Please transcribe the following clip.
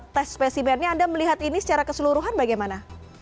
tes spesimennya anda melihat ini secara keseluruhan bagaimana